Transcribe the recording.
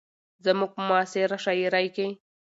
زموږ په معاصره شاعرۍ کې